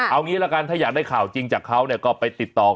เอางี้ละกันถ้าอยากได้ข่าวจริงจากเขาก็ไปติดต่อ